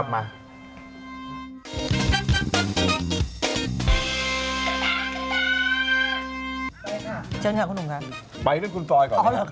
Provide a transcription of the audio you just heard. ไปขึ้นกับคุณฟรอยก่อน